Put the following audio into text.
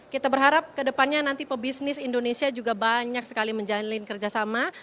kita berharap ke depannya nanti pebisnis indonesia juga banyak sekali menjalin kerjasama